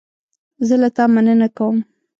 زه له تا مننه کوم.